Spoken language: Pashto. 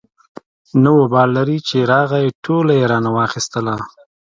نه وبال لري چې راغی ټوله يې رانه واخېستله.